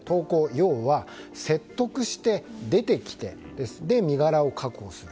要は、説得して出てきて身柄を確保する。